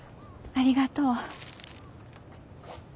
ありがとう。